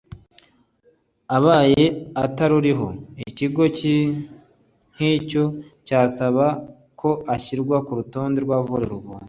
abaye ataruriho ikigo nk’icyo cyasaba ko ashyirwa k’urutonde rw’abavurirwa ubuntu.